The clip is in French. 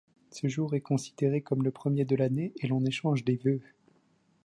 Ce jour est considéré comme le premier de l'année et l'on échange des vœux.